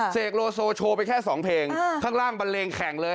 เสกโลโซโชว์ไปแค่๒เพลงข้างล่างบันเลงแข่งเลย